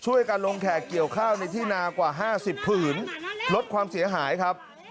การลงแขกเกี่ยวข้าวในที่นากว่า๕๐ผืนลดความเสียหายครับ